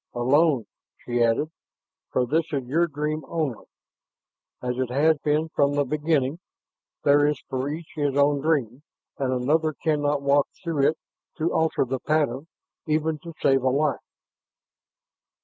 "Alone," she added. "For this is your dream only, as it has been from the beginning. There is for each his own dream, and another cannot walk through it to alter the pattern, even to save a life."